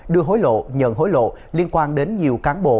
đưa hối lộ nhận hối lộ liên quan đến nhiều cán bộ